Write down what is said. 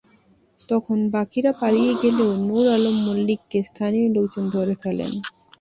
তখন বাকিরা পালিয়ে গেলেও নূর আলম মল্লিককে স্থানীয় লোকজন ধরে ফেলেন।